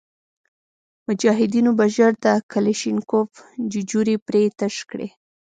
مجاهدینو به ژر د کلشینکوف ججوري پرې تش کړ.